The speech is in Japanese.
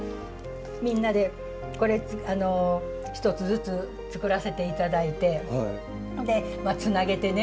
みんなで１つずつ作らせて頂いてでつなげてね